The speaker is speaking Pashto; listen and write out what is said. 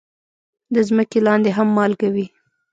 د ځمکې لاندې هم مالګه وي.